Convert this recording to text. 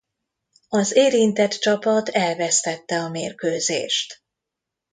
Az érintett csapat elvesztette a mérkőzést.